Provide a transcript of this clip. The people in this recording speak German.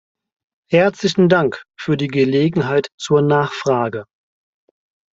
Herzlichen Dank für die Gelegenheit zur Nachfrage.